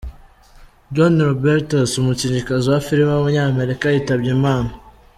Joan Roberts, umukinnyikazi wa film w’umunyamerika yitabye Imana.